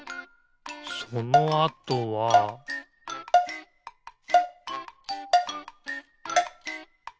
そのあとはピッ！